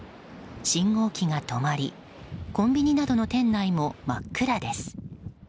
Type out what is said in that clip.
信号機が止まりコンビニなどの店内も真っ暗です。